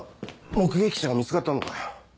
目撃者が見つかったのかよ。